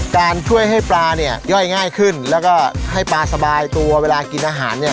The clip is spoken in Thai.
การช่วยให้ปลาเนี่ยย่อยง่ายขึ้นแล้วก็ให้ปลาสบายตัวเวลากินอาหารเนี่ย